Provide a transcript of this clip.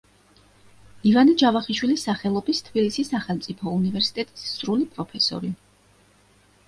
ივანე ჯავახიშვილის სახელობის თბილისის სახელმწიფო უნივერსიტეტის სრული პროფესორი.